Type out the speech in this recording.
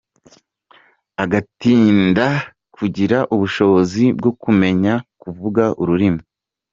Agatinda kugira ubushobozi bwo kumenya kuvuga ururimi.